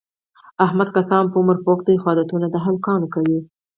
احمد که څه هم په عمر پوخ دی، خو عادتونه د هلکانو کوي.